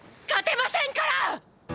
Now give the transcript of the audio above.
勝てませんから！！